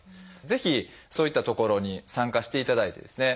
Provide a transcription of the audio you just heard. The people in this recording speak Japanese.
ぜひそういった所に参加していただいてですね